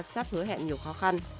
sắp hứa hẹn nhiều khó khăn